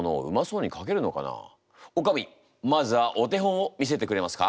おかみまずはお手本を見せてくれますか？